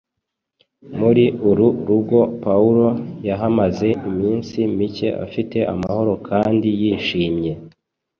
Muri uru rugo Pawulo yahamaze iminsi mike afite amahoro kandi yishimye.